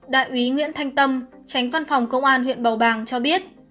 đại úy nguyễn thanh tâm tránh văn phòng công an huyện bầu bàng cho biết